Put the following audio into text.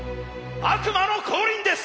悪魔の降臨です。